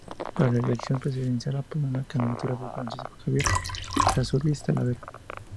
Para la elección presidencial, apoyaron la candidatura de Francisco Javier Errázuriz Talavera.